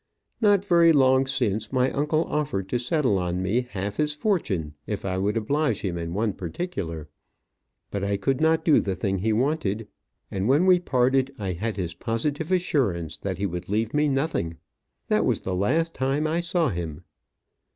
Not very long since my uncle offered to settle on me half his fortune if I would oblige him in one particular. But I could not do the thing he wanted; and when we parted, I had his positive assurance that he would leave me nothing. That was the last time I saw him."